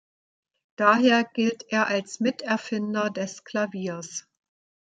Daher gilt er als Miterfinder des Klaviers.